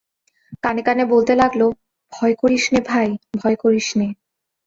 কানে কানে বলতে লাগল, ভয় করিস নে ভাই, ভয় করিস নে।